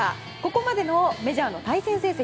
ここまでのメジャーの対戦成績